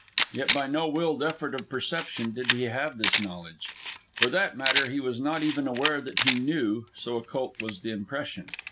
Yet by no willed effort of perception did he have this knowledge. For that matter, he was not even aware that he knew, so occult was the impression.